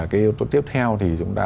cái yếu tố tiếp theo thì chúng ta